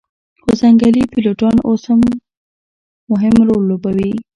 خو ځنګلي پیلوټان اوس هم مهم رول لوبوي